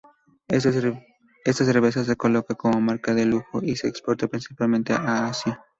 Esta cerveza se coloca como marca de lujo y se exporta principalmente a Asia.